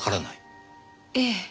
ええ。